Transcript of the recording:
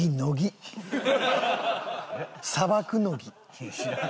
いや知らん。